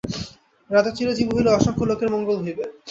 রাজা চিরজীবী হইলে অসংখ্য লোকের মঙ্গল হইবে।